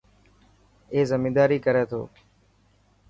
اي زميداري ڪري ٿو.